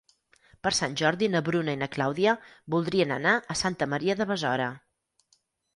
Per Sant Jordi na Bruna i na Clàudia voldrien anar a Santa Maria de Besora.